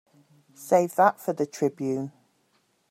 Save that for the Tribune.